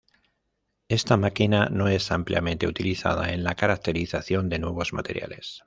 Esta máquina no es ampliamente utilizada en la caracterización de nuevos materiales.